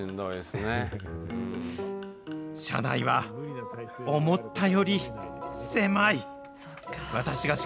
車内は思ったより狭い。